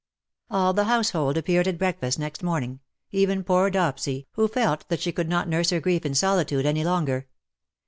All tlie household appeared at breakfast next morning ; even poor Dopsy^ who felt that she could not nurse her grief in solitude any longer.